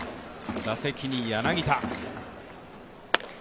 打席に柳田。